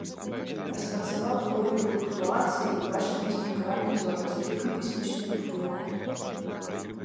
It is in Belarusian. Распрацаваў тэорыю флуктуацыі у бачным размеркаванні зорак з улікам касмічнага паглынання.